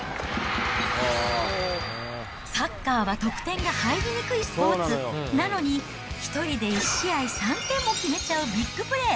サッカーは得点が入りにくいスポーツ、なのに、１人で１試合３点も決めちゃうビッグプレー。